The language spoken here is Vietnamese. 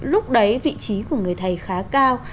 lúc đấy vị trí của người thầy khá cao